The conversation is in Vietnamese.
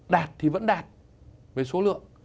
đạt thì vẫn đạt về số lượng